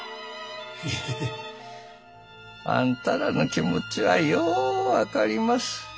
へい。あんたらの気持ちはよう分かります。